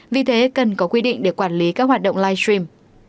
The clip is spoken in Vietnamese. vì thế cần có quy định để quản lý các hoạt động live stream